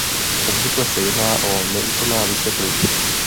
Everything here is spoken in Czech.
Obvykle se jedná o neúplná vysvětlení.